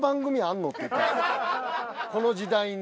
この時代に。